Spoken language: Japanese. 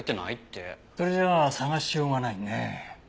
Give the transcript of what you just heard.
それじゃ捜しようがないね。